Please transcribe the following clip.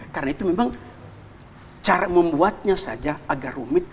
karena itu memang cara membuatnya saja agak rumit